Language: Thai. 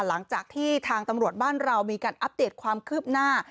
หลังจากที่ทางตำรวจบ้านเรามีการอัปเดตความคืบหน้า